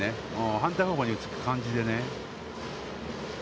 反対方向に打つ感じでね。